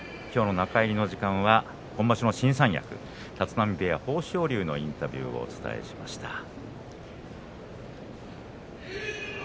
きょうの中入りの時間は今場所の新三役、立浪部屋豊昇龍のインタビューをお伝えしました。